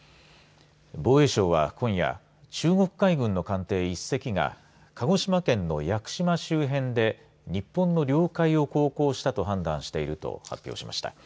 防衛省は今夜中国海軍の艦艇１隻が鹿児島県の屋久島周辺で日本の領海を航行したと判断すると発表しました。